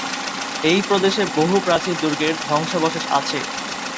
এই প্রদেশে বহু প্রাচীন দুর্গের ধ্বংসাবশেষ আছে।